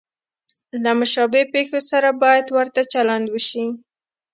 له مشابه پېښو سره باید ورته چلند وشي.